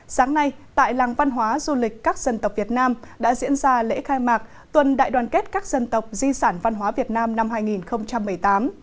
sáng nay tại làng văn hóa du lịch các dân tộc việt nam đã diễn ra lễ khai mạc tuần đại đoàn kết các dân tộc di sản văn hóa việt nam năm hai nghìn một mươi tám